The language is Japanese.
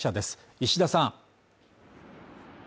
石田さん。